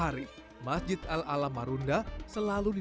kurang lebih nantikan dari video ini untuk kuauk dan butiku gerade awal ini